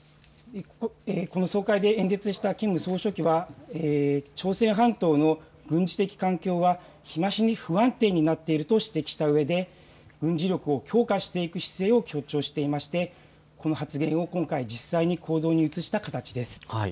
この総会で演説したキム総書記は朝鮮半島の軍事的環境は日増しに不安定になっていると指摘したうえで軍事力を強化していく姿勢を強調していましてこの発言を今回、実際に行動に移した形です。